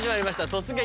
「突撃！